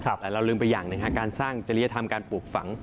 แต่เราลืมไปอย่างหนึ่งการสร้างจริยธรรมการปลูกฝัง